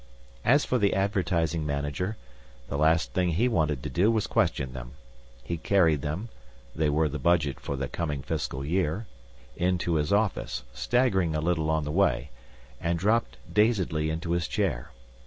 As for the Advertising Manager, the last thing he wanted to do was question them. He carried them (they were the budget for the coming fiscal year) into his office, staggering a little on the way, and dropped dazedly into his chair.